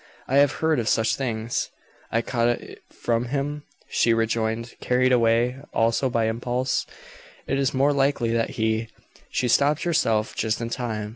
"I have heard of such things." "Caught it from him?" she rejoined, carried away also by impulse. "It is more likely that he " She stopped herself just in time.